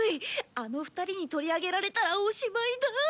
あの２人に取り上げられたらおしまいだ！